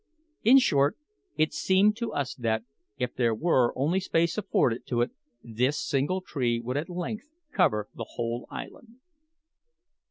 In short, it seemed to us that, if there were only space afforded to it, this single tree would at length cover the whole island.